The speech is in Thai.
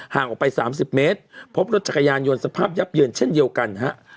ห่างออกไป๓๐เมตรพบรถจักรยานยนต์สภาพยับเยินเช่นเดียวกันฮะ